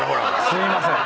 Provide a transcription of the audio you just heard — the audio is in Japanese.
すいません。